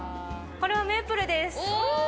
これはメイプルです。